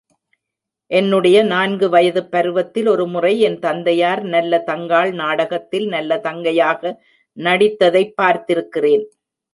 என்னுடைய நான்கு வயதுப் பருவத்தில் ஒரு முறை என் தந்தையார் நல்ல தங்காள் நாடகத்தில் நல்லதங்கையாக நடித்ததைப் பார்த்திருக்கிறேன்.